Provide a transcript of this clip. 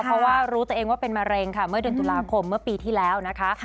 เพราะว่ารู้ตัวเองว่าเป็นมะเร็งค่ะเมื่อเดือนตุลาคมเมื่อปีที่แล้วนะคะ